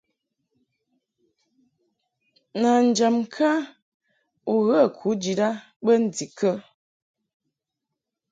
Nanjam ŋka u ghə kujid a bə ndikə ?